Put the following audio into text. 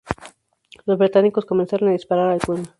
Los británicos comenzaron a disparar al Puma.